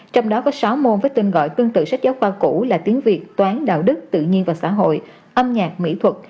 trong đó có sáu môn với tên gọi tương tự sách giáo khoa cũ là tiếng việt toán đạo đức tự nhiên và xã hội âm nhạc mỹ thuật